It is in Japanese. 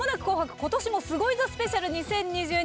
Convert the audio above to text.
今年もすごいぞスペシャル２０２２」。